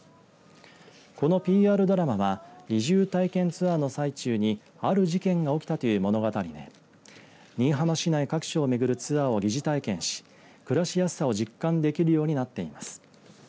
このＰＲドラマは移住体験ツアーの最中にある事件が起きたという物語で新居浜市内各所をめぐるツアーを疑似体験し暮らしやすさを実感できるようになっています。